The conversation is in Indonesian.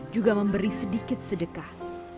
juga memberi sedikit sedekah